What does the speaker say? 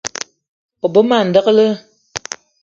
O be ma ndekle